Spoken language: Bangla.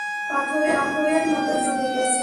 পাথরের মত ডুবে গেছে।